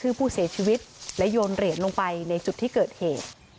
ผู้เสียชีวิตและโยนเหรียญลงไปในจุดที่เกิดเหตุ